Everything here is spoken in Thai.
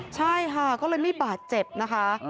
ใช่ค่ะก็เลยไม่บาดเจ็บนะคะ